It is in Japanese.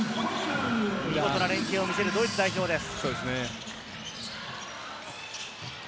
見事な連係を見せるドイツ代表です。